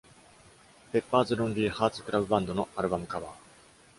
Pepper's Lonely Hearts Club Band のアルバムカバー。